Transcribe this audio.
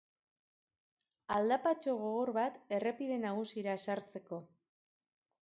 Aldapatxo gogor bat errepide nagusira sartzeko.